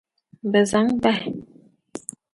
Bɛ zaŋ bahi.